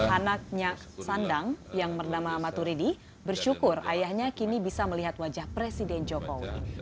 anak nyak sandang yang bernama maturidi bersyukur ayahnya kini bisa melihat wajah presiden joko widodo